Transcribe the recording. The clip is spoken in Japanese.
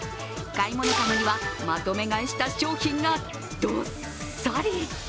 買い物かごにはまとめ買いした商品がどっさり。